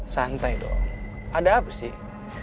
santai dong ada apa sih